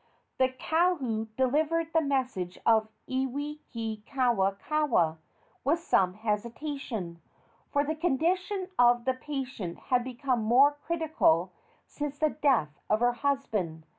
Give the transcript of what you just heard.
The kahu delivered the message of Iwikauikaua with some hesitation, for the condition of the patient had become more critical since the death of her husband.